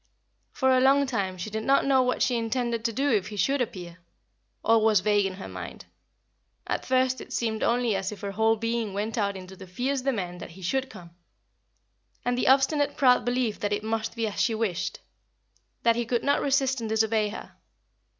For a long time she did not know what she intended to do if he should appear. All was vague in her mind. At first it seemed only as if her whole being went out into the fierce demand that he should come, and the obstinate proud belief that it must be as she wished that he could not resist and disobey her.